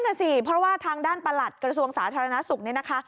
น่ะสิเพราะว่าทางด้านประหลัดกระทรวงสาธารณสุขนี่นะคะ